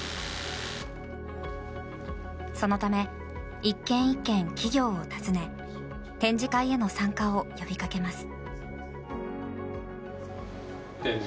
そのため、１軒１軒企業を訪ね展示会への参加を呼びかけます。